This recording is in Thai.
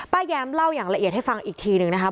แย้มเล่าอย่างละเอียดให้ฟังอีกทีหนึ่งนะครับ